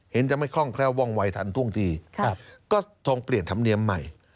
จะไม่คล่องแคล้วว่องวัยทันท่วงทีก็ทรงเปลี่ยนธรรมเนียมใหม่